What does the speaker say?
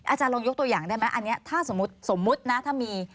อาจารย์ลองยกตัวอย่างได้ไหมอันนี้สมมตินะถ้ามี